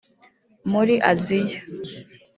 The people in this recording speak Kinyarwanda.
muri Aziya